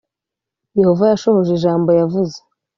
Yehova yashohoje ijambo yavuze